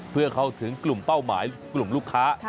เพื่อเข้าถึงกลุ่มเป้าหมายกลุ่มลูกค้า